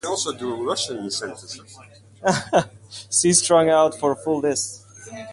"See Strung Out for full list"